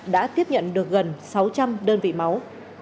đã tiếp nhận được gần sáu trăm linh đơn vị máu